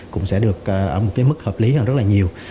cũng sẽ được ở một mức hợp lý hơn rất nhiều